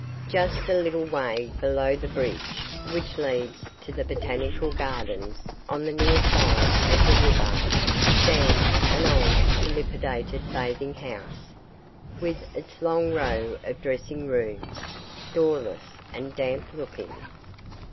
Just a little way below the bridge which leads to the Botanical Gardens, on the near side of the river, stands an old, dilapidated bathing house, with its long row of dressing rooms, doorless and damp looking.